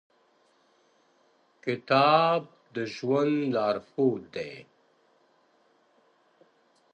کتاب د ژوند لارښود دی.